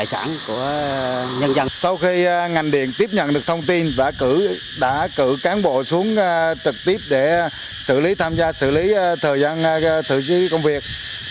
sau khi ngành điện tiếp nhận được thông tin đã cử cán bộ xuống trực tiếp để xử lý tham gia xử lý thời gian thử chí công việc